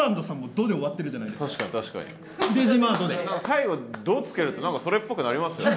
最後「ド」つけると何かそれっぽくなりますよね。